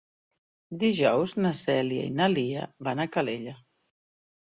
Dijous na Cèlia i na Lia van a Calella.